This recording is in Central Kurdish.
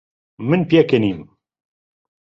من پێکەنیم.